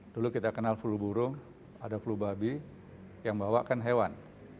dulu kita kenal flu burung ada flu babi yang bawa kan hewan